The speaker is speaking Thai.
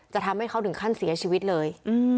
ทำให้เขาถึงขั้นเสียชีวิตเลย